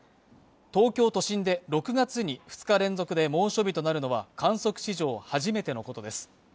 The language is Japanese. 東京都心で６月に２日連続で猛暑日となるのは観測史上初めてのことです。